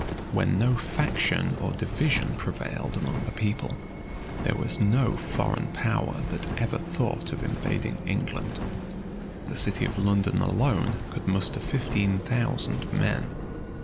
When no faction or division prevailed among the people, there was no foreign power that ever thought of invading England. The city of London alone, could muster fifteen thousand men.